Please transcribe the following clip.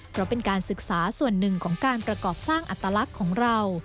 เพราะเป็นการศึกษาส่วนหนึ่งของการประกอบสร้างอัตลักษณ์ของเรา